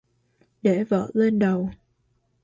Để vợ lên đầu